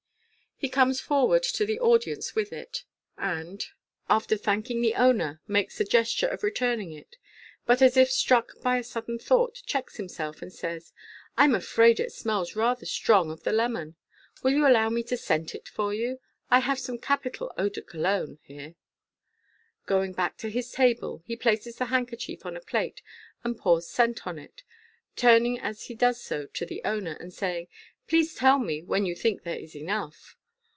He comes forward to the audience with it, and, after thanking 248 MODERN MAGIC. the owner, makes a gesture of returning it j but, as if struck by a sudden thought, checks himself, and says, " I'm afraii it smells rather strong of the lemon. Will you allow me to scent it for you ? I have some capital Eau de Cologne here.'' Going back to his table, he places the handkerchief on a plate, and pours scent on it, turning as he does so to the owner, and saying, " Please tell me when you think there is enough."